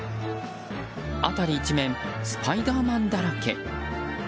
辺り一面、スパイダーマンだらけ。